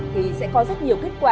thì sẽ có rất nhiều kết quả